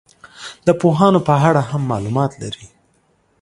د پوهانو په اړه هم معلومات لري.